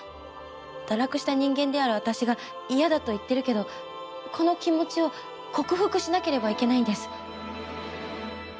堕落した人間である私が嫌だと言ってるけどこの気持ちを克服しなければいけないんです。